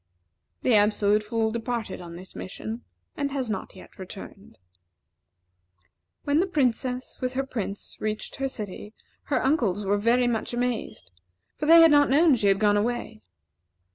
The Absolute Fool departed on this mission, and has not yet returned. When the Princess, with her Prince, reached her city, her uncles were very much amazed; for they had not known she had gone away.